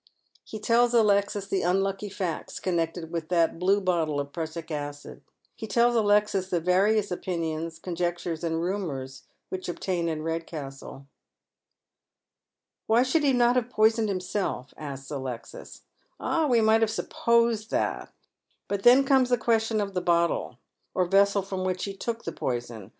He tells Alexis the unlucky facts connected with that blue bottle of prussic acid ; he tells Alexis the various opinions, ctm jectures, aod rumours which obtain in Eedcastle. But here is one who loves you as of old." 341 Why should he not have poisoned himself ?" asks Alexis. " Ah, we might have supposed that ; but then comes the question of the bottle, or vessel from which he took the poison.